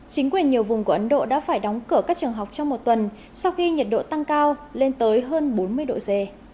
chính quyền nhiều vùng của ấn độ đã phải đóng cửa các trường học trong một tuần sau khi nhiệt độ tăng cao lên tới hơn bốn mươi độ c